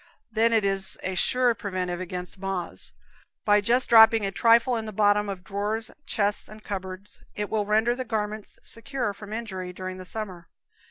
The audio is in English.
Then it is a sure preventive against moths: by just dropping a trifle in the bottom of drawers, chests and cupboards, it will render the garments secure from injury during the summer.